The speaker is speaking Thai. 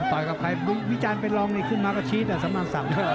ต่อยกับใครวิจารณ์ไปรองเลยขึ้นมากับชี้แต่สำราญศักดิ์